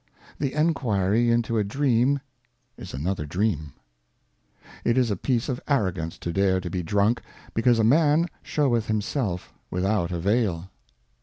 The Enquiry into a Dream is another Dream. IT is a piece of Arrogance to dare to be drunk, because a Man Drunhen sheweth himself without a Vail.